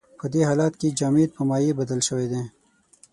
په دې حالت کې جامد په مایع بدل شوی دی.